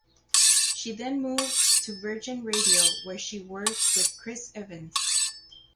She then moved to Virgin Radio where she worked with Chris Evans.